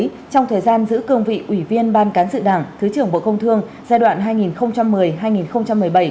trong thời gian giữ cương vị ủy viên ban cán sự đảng thứ trưởng bộ công thương giai đoạn hai nghìn một mươi hai nghìn một mươi bảy